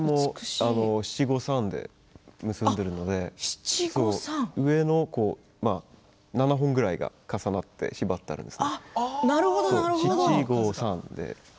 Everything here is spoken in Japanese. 七五三で結んでいるので上の７本くらいが重なって縛ってあるんですけれど、七五三で。